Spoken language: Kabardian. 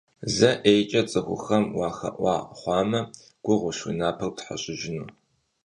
Зэ ӀейкӀэ цӀыхухэм уахэӀуа хъуамэ, гугъущ уи напэр птхьэщӀыжыну.